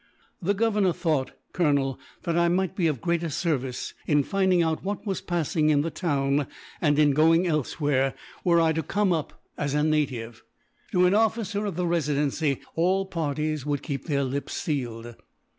"The Governor thought, Colonel, that I might be of greater service, in finding out what was passing in the town, and in going elsewhere, were I to come up as a native. To an officer of the Residency, all parties would keep their lips sealed."